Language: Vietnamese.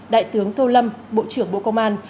đại tướng tô lâm bộ trưởng bộ công an